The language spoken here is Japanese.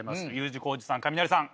Ｕ字工事さん